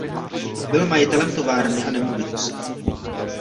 Byl majitelem továrny a nemovitostí.